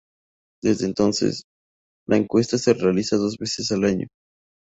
Desde entonces, la encuesta se realiza dos veces al año.